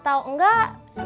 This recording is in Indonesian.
atau enggak ekra